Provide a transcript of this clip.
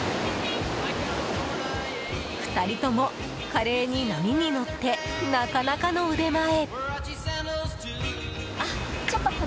２人とも華麗に波に乗ってなかなかの腕前。